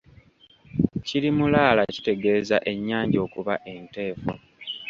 Kiri mulaala kitegeeza ennyanja okuba enteefu.